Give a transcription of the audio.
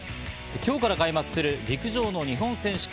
今日から開幕する陸上の日本選手権。